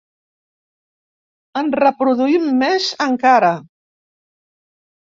En reproduïm més encara.